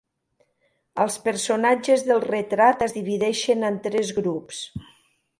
Els personatges del retrat es divideixen en tres grups.